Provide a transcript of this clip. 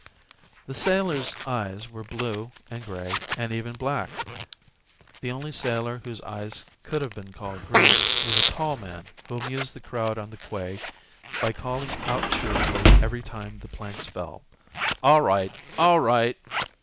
The sailors' eyes were blue and grey and even black. The only sailor whose eyes could have been called green was a tall man who amused the crowd on the quay by calling out cheerfully every time the planks fell: "All right! All right!"